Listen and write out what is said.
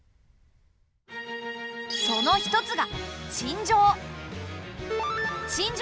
その一つが陳情！